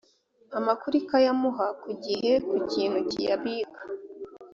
amakuru ikayamuha ku gihe ku kintu kiyabika